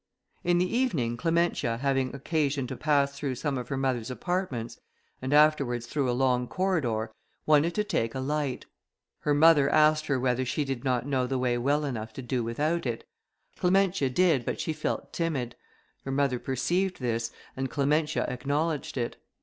In the evening, Clementia, having occasion to pass through some of her mother's apartments, and afterwards through a long corridor, wanted to take a light. Her mother asked her whether she did not know the way well enough to do without it. Clementia did, but she felt timid; her mother perceived this, and Clementia acknowledged it.